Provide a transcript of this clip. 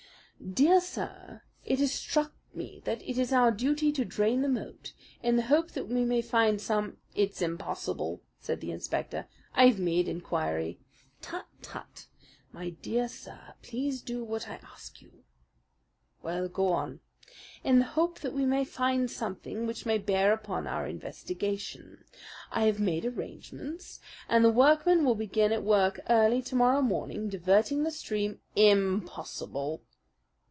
"Dear Sir: "It has struck me that it is our duty to drain the moat, in the hope that we may find some " "It's impossible," said the inspector. "I've made inquiry." "Tut, tut! My dear sir, please do what I ask you." "Well, go on." " in the hope that we may find something which may bear upon our investigation. I have made arrangements, and the workmen will be at work early to morrow morning diverting the stream " "Impossible!"